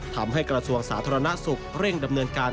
กระทรวงสาธารณสุขเร่งดำเนินการ